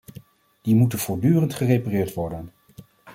Die moeten voortdurend gerepareerd worden.